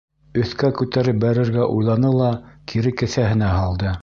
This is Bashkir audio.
Өҫкә күтәреп бәрергә уйланы ла кире кеҫәһенә һалды.